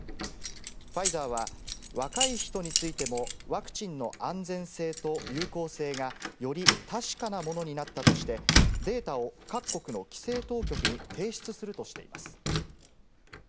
ファイザーは若い人についても、ワクチンの安全性と有効性がより確かなものになったとして、データを各国の規制当局に提出するとしています。